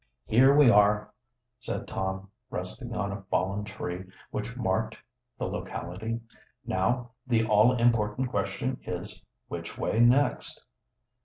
"Here we are," said Tom, resting on a fallen tree which marked the locality. "Now the all important question is, which way next?"